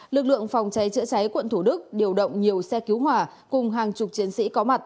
lực lượng phòng cháy chữa cháy quận thủ đức điều động nhiều xe cứu hỏa cùng hàng chục chiến sĩ có mặt